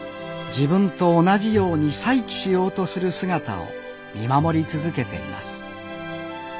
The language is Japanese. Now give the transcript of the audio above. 自分と同じように再起しようとする姿を見守り続けています